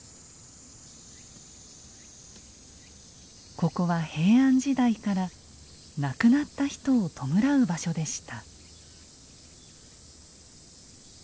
ここは平安時代から亡くなった人を弔う場所でした。